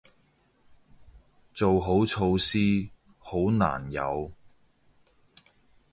做好措施，好難有